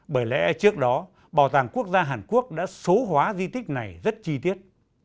bởi lẽ trước đó bảo tàng quốc gia hàn quốc đã số hóa di tích này rất chi tiết